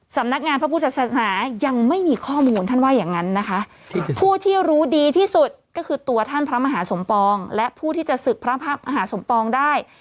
สำนักงานพระพุทธศาสนายังไม่มีข้อมูลท่านว่าอย่างนั้นนะคะผู้ที่รู้ดีที่สุดก็คือตัวท่านพระมหาสมปองและผู้ที่จะศึกพระมหาสมปองได้